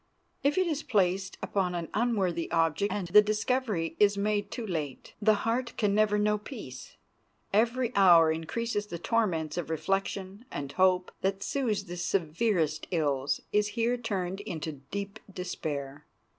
If it is placed upon an unworthy object, and the discovery is made too late, the heart can never know peace. Every hour increases the torments of reflection, and hope, that soothes the severest ills, is here turned into deep despair.